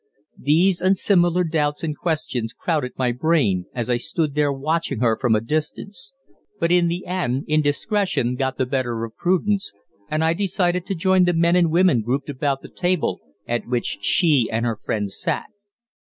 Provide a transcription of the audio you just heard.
These and similar doubts and questions crowded my brain as I stood there watching her from a distance, but in the end indiscretion got the better of prudence, and I decided to join the men and women grouped about the table at which she and her friend sat.